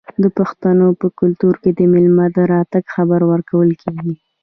د پښتنو په کلتور کې د میلمه د راتګ خبر ورکول کیږي.